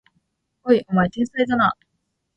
おい、お前天才だな！